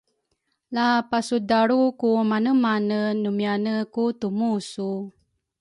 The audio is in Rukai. La pasudalru ku manemane numiane ku tumu su?